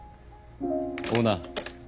オーナー。